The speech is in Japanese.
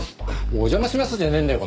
「お邪魔します」じゃねえんだよ